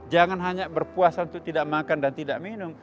jangan hanya berpuasa untuk tidak makan dan tidak minum